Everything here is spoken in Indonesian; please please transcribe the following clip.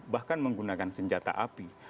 bahkan menggunakan senjata api